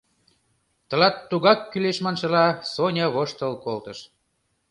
Тылат тугак кӱлеш маншыла, Соня воштыл колтыш.